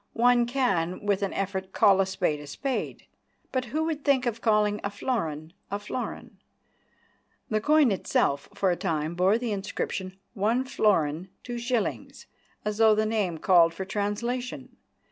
One can with an effort call a spade a spade, but who would think of calling a florin a florin? The coin itself for a time bore the inscription: "One Florin, Two Shillings," as though the name called for translation.